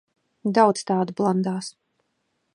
Daudz tādu blandās.